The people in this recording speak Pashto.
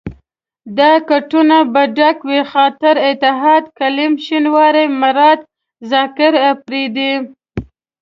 دا کټونه به ډک وو، خاطر، اتحاد، کلیم شینواری، مراد، زاکر اپرېدی.